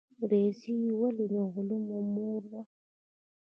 ریاضي ولې د علومو مور ده؟